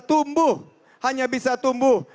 tumbuh hanya bisa tumbuh